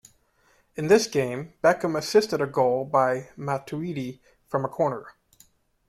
In this game, Beckham assisted a goal by Matuidi from a corner.